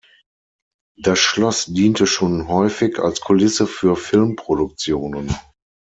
Das Schloss diente schon häufig als Kulisse für Filmproduktionen.